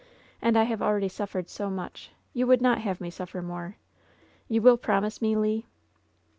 And I have already suffered so much, you would not have me suffer more. You will promise me, Le ?"